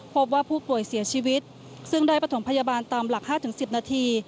พบว่าผู้ป่วยเสียชีวิตซึ่งได้ประถมพยาบาลตามหลัก๕๑๐นาที